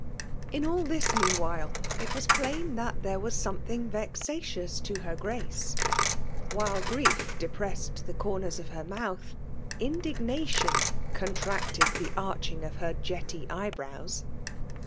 In all tliis, meanwhile, it was plain that there lOB FEMALE DOMIVATfON. was something vexatious to k^ Grace. Wliiie grief depressed the comers of her inoath, indignation contracted the arching of her jetty eyebrows.